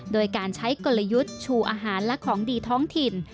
โดยการใช้กลยุทธ์ชูอาหารและของดีท้องถิ่น